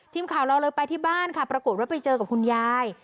ทีมข่าวเราเลยไปที่บ้านค่ะปรากฏว่าไปเจอกับคุณยาย